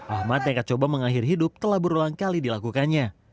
ahmad yang mencoba mengakhir hidup telah berulang kali dilakukannya